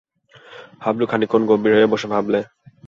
হাবলু খানিকক্ষণ গম্ভীর হয়ে বসে ভাবলে।